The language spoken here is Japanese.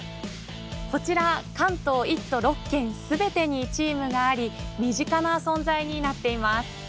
こちら関東の１都６県全てにチームがあり身近な存在になっています。